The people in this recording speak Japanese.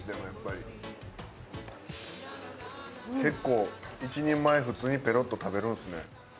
結構１人前普通にペロッと食べるんですね。